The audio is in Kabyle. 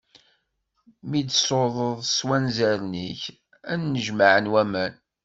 Mi d-tṣuḍeḍ s wanzaren-ik, ad nnejmaɛen waman.